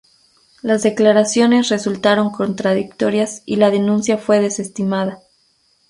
Las declaraciones resultaron contradictorias y la denuncia fue desestimada.